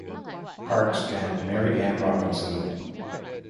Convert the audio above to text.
Parks and Mary Ann Robinson.